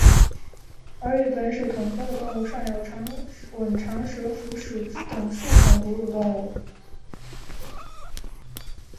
而与本属同科的动物尚有长吻长舌蝠属等之数种哺乳动物。